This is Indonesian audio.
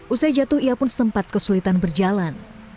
usai jatuh ia pun sempat kesulitan berjalan